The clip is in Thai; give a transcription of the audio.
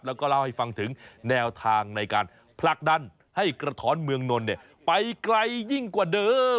แล้วก็เล่าให้ฟังถึงแนวทางในการผลักดันให้กระท้อนเมืองนนไปไกลยิ่งกว่าเดิม